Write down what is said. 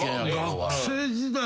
学生時代